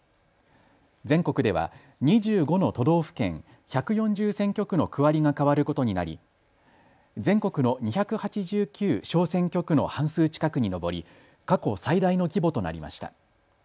全国では２５の都道府県１４０選挙区の区割りが変わることになり全国の２８９小選挙区の半数近くに上り過去最大の規模となりました。